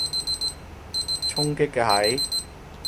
衝擊嘅係？